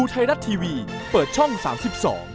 โปรดติดตามตอนต่อไป